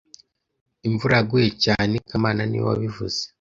Imvura yaguye cyane kamana niwe wabivuze